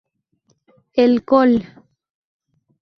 El Col.